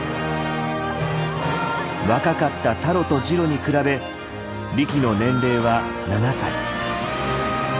若かったタロとジロに比べリキの年齢は７歳。